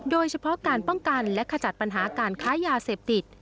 โดยเฉพาะการป้องกันและขจัดปัญหาการค้ายาเสพติด